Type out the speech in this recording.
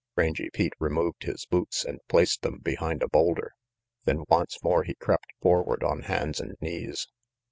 Rangy Pete removed his boots and placed them behind a boulder. Then once more he crept forward, on hands and knees.